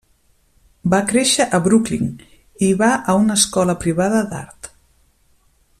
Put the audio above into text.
Va créixer a Brooklyn i va a una escola privada d'art.